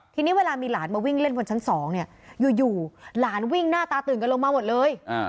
ทีนี้เวลามีหลานมาวิ่งเล่นบนชั้น๒เนี่ยอยู่หลานวิ่งหน้าตาตื่นกันลงมาหมดเลย